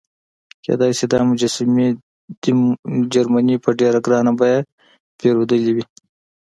کېدای شي دا مجسمې دې جرمني په ډېره ګرانه بیه پیرودلې وي.